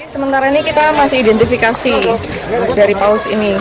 sementara ini kita masih identifikasi dari paus ini